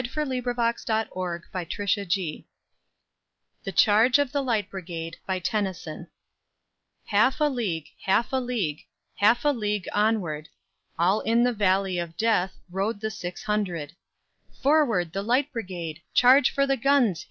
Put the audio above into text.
[Illustration: AT THE END OF THE MEAL] THE CHARGE OF THE LIGHT BRIGADE Half a league, half a league, Half a league onward, All in the valley of Death Rode the six hundred. "Forward, the Light Brigade! Charge for the guns!"